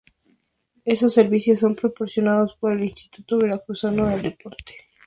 Esos servicios son proporcionados por el Instituto Veracruzano del Deporte.